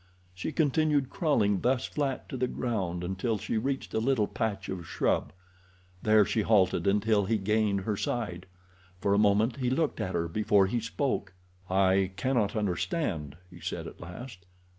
She continued crawling thus flat to the ground until she reached a little patch of shrub. There she halted until he gained her side. For a moment he looked at her before he spoke. "I cannot understand," he said at last.